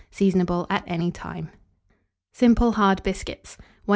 Seasonable at any time. SIMPLE HARD BISCUITS. 1750.